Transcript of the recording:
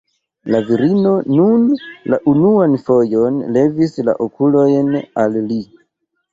La virino nun la unuan fojon levis la okulojn al li.